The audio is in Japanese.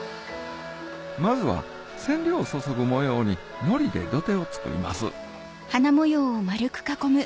まずは染料を注ぐ模様にノリで土手を作ります